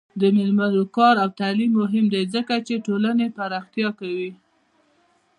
د میرمنو کار او تعلیم مهم دی ځکه چې ټولنې پراختیا کوي.